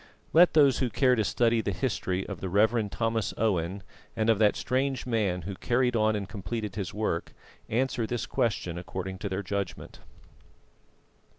Let those who care to study the history of the Rev. Thomas Owen, and of that strange man who carried on and completed his work, answer this question according to their judgment.